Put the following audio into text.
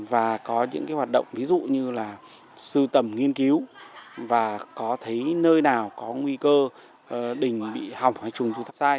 và có những cái hoạt động ví dụ như là sưu tầm nghiên cứu và có thấy nơi nào có nguy cơ đình bị hỏng hay trùng thật sai